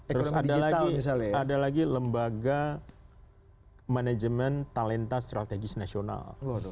terus ada lagi lembaga manajemen talenta strategis nasional